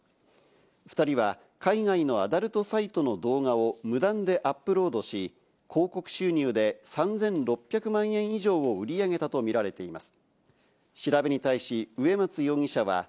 ２人は海外のアダルトサイトの動画を無断でアップロードし、広告収入で３６００万円以上を売り上げたとみられています。